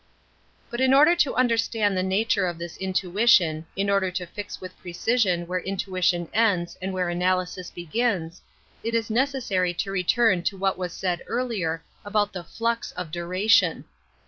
But in order to understand the nature of this intuition, in order to fix with precision where intuition ends and where analysis I begins, it is necessary to return to what was said earlier about the flux of duration.